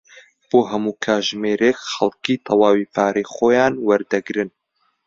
بۆ هەموو کاتژمێرێک خەڵکی تەواوی پارەی خۆیان وەردەگرن.